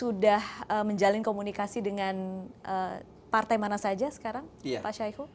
sudah menjalin komunikasi dengan partai mana saja sekarang pak syaiful